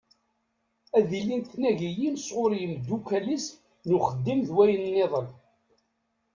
Ad ilint tnagiyin sɣur yimeddukkal-is n uxeddim d wayen-nniḍen.